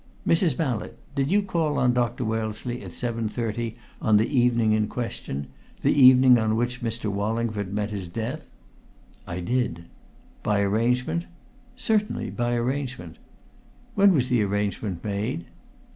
"Mrs. Mallett, did you call on Dr. Wellesley at 7.30 on the evening in question the evening on which Mr. Wallingford met his death?" "I did." "By arrangement?" "Certainly by arrangement." "When was the arrangement made?"